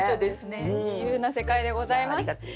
自由な世界でございます。